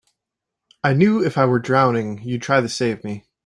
I knew if I were drowning you'd try to save me.